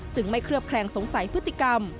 ไม่เคลือบแคลงสงสัยพฤติกรรม